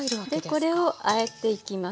でこれをあえていきますね。